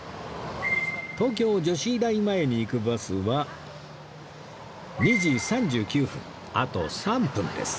東京女子医大前に行くバスは２時３９分あと３分です